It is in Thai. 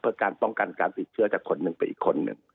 เพื่อการป้องกันการติดเชื้อจากคนหนึ่งไปอีกคนหนึ่ง